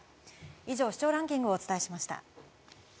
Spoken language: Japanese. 以上、視聴ランキングをお伝えしました。